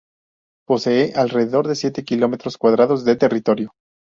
Posee alrededor de siete kilómetros cuadrados de territorio.